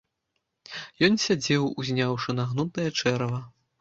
Ён сядзеў, узняўшы нагнутае чэрава.